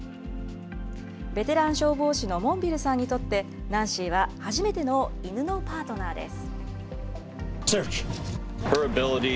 ベテラン消防士のモンビルさんにとって、ナンシーは初めての犬のパートナーです。